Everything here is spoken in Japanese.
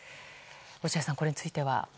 落合さん、これについては。